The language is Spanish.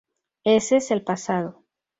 Ese es el pasado.